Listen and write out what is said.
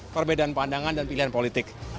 perbedaan pandangan dan pilihan politik